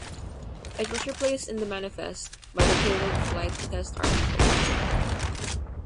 It was replaced in the manifest by the Payload Flight Test Article.